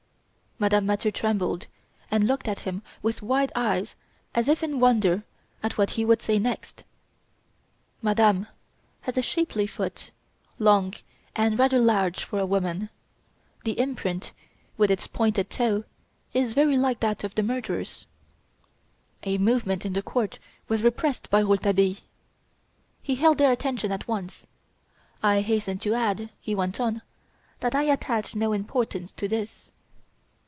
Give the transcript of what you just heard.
Madame Mathieu trembled and looked at him with wide eyes as if in wonder at what he would say next. "Madame has a shapely foot, long and rather large for a woman. The imprint, with its pointed toe, is very like that of the murderer's." A movement in the court was repressed by Rouletabille. He held their attention at once. "I hasten to add," he went on, "that I attach no importance to this.